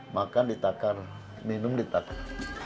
makan ditakar minum ditakar